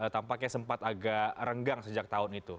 tampaknya sempat agak renggang sejak tahun itu